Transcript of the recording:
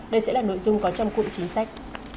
đây sẽ là nội dung có trong cụm chính sách